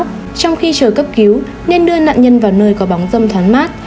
trong khi chờ cấp cứu nên đưa nạn nhân vào nơi có bóng dâm thoáng mát